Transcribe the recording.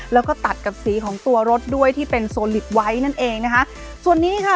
แล้วก็ตัดกับสีของตัวรถด้วยที่เป็นโซลิปไว้นั่นเองนะคะส่วนนี้ค่ะ